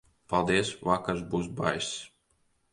Paldies, vakars būs baiss.